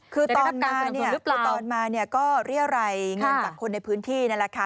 คือตอนมาก็เรียรัยเงินจากคนในพื้นที่นั่นแหละค่ะ